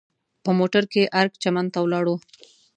په موټر کې ارګ چمن ته ولاړو.